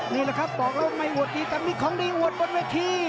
นี่แหละครับบอกแล้วไม่หมดดีแต่มีของดีวนบนเวที